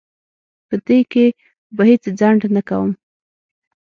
په دې کې به هیڅ ځنډ نه کوم.